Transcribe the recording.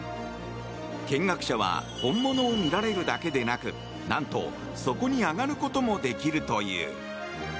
見学者は本物を見られるだけでなく何と、そこに上がることもできるという。